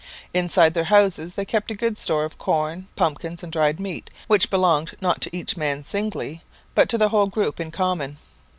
Inside their houses they kept a good store of corn, pumpkins and dried meat, which belonged not to each man singly but to the whole group in common.